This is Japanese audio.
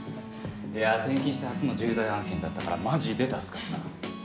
転勤して初の重大案件だったからマジで助かった。